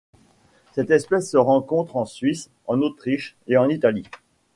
Cette espèce se rencontre en Suisse, en Autriche et en Italie.